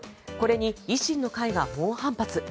これに維新の会が猛反発。